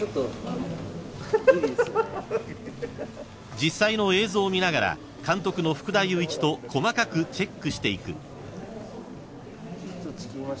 ［実際の映像を見ながら監督の福田雄一と細かくチェックしていく］